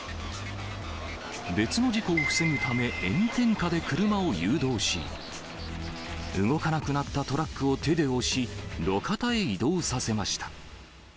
別の事故を防ぐため、炎天下で車を誘導し、動かなくなったトラックを手で押し、路肩へ移動させました。